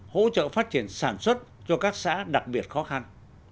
hỗ trợ phát triển sản xuất cho các xã đặc biệt khó khăn